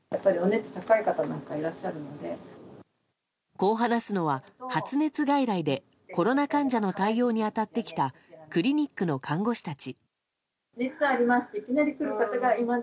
こう話すのは、発熱外来でコロナ患者の対応に当たってきたクリニックの看護師たち。